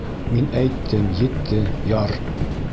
Мин әйттем, етте, Яр!